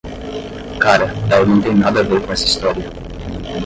Cara, ela não tem nada a ver com essa história.